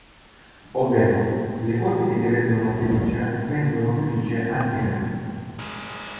Ovvero: Le cose che ti rendono felice, rendono felice anche me.